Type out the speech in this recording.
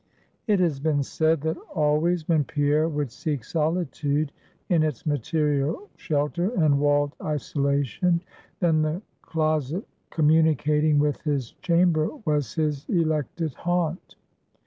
It has been said, that always when Pierre would seek solitude in its material shelter and walled isolation, then the closet communicating with his chamber was his elected haunt.